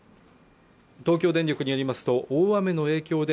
東京電力によりますと大雨の影響で